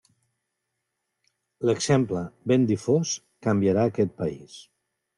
L'exemple, ben difós, canviarà aquest País.